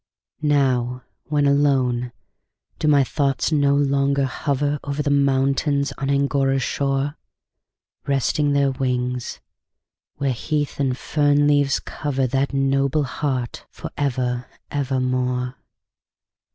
Now, when alone, do my thoughts no longer hover Over the mountains on Angora's shore, Resting their wings, where heath and fern leaves cover That noble heart for ever, ever more?